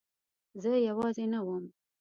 زه یوازې نه وم.